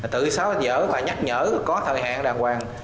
tự tháo dở và nhắc nhở có thời hạn đàng hoàng